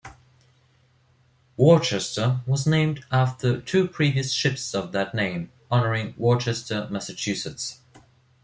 "Worchester" was named after two previous ships of that name, honoring Worcester, Massachusetts.